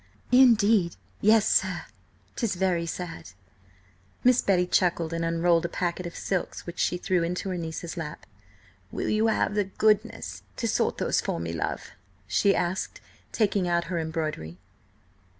"Indeed, yes, sir. 'Tis very sad." Miss Betty chuckled, and unrolled a packet of silks which she threw into her niece's lap. "Will you have the goodness to sort those for me, love?" she asked, taking out her embroidery.